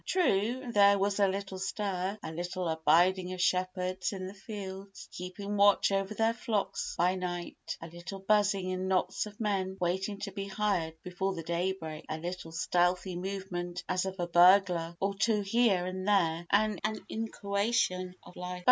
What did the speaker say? True, there was a little stir—a little abiding of shepherds in the fields, keeping watch over their flocks by night—a little buzzing in knots of men waiting to be hired before the daybreak—a little stealthy movement as of a burglar or two here and there—an inchoation of life.